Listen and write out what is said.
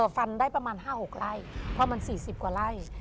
ฟันได้ประมาณ๕๖ไร่เพราะมัน๔๐กว่าไร่